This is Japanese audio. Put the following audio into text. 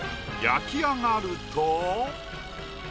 焼き上がると。